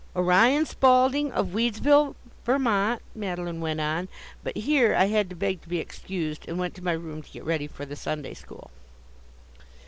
"'Orion Spaulding, of Weedsville, Vermont,'" Madeline went on but, here, I had to beg to be excused, and went to my room to get ready for the Sunday school.